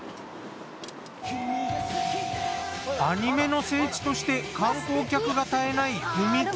アニメの聖地として観光客が絶えない踏切でも。